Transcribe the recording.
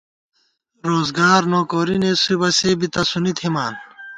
روزگار نوکوری نېسُوئی بہ سے بی تسُونی تھِمان